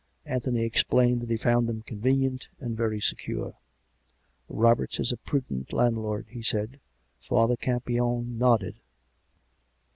Anthony explained that he found them convenient and very secure. " Roberts is a prudent landlord," he said. Father Campion nodded.